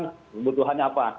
yang diinginkan butuhannya apa